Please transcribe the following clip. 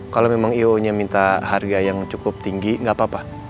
kalo memang i o nya minta harga yang cukup tinggi gak apa apa